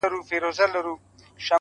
o اول نوک ځاى که، بيا سوک.